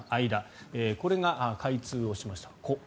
これが開通しました。